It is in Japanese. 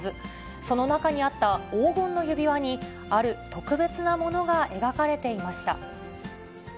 その中にあった黄金の指輪に、ある特別なものが描かれていました。